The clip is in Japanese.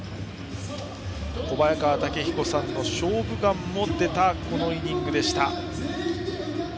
小早川毅彦さんの「勝負眼」も出たイニングでした。